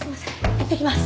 いってきます。